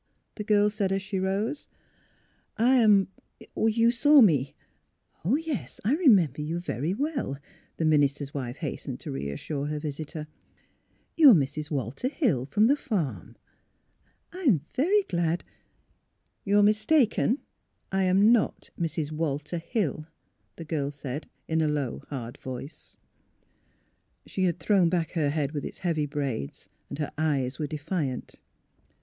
" the girl said, as she rose. ''I am — you saw me "'' Yes, I remember you very well," the minis ter's wife hastened to reassure her visitor. " You are Mrs. Walter Hill, from the farm. I am very glad "" You are mistaken. I am not Mrs. Walter Hill," the girl said, in a low, hard voice. She had thrown back her head with its heavy braids; her eyes were defiant.